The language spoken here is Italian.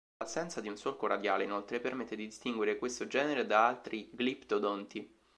L'assenza di un solco radiale, inoltre, permette di distinguere quest genere da altri gliptodonti.